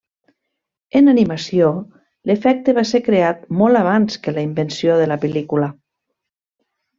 En animació, l’efecte va ser creat molt abans que la invenció de la pel·lícula.